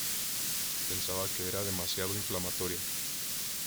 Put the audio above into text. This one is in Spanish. Pensaba que era demasiado inflamatoria.